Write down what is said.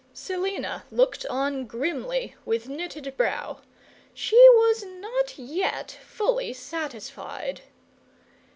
Selina looked on grimly, with knitted brow; she was not yet fully satisfied.